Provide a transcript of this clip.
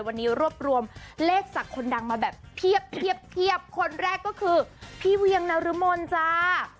วันนี้รวบรวมเลขจากคนดังมาแบบเพียบคนแรกก็คือพี่เวียงนรมนจ้า